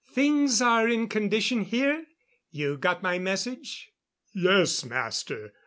"Things are in condition here? You got my message?" "Yes, Master.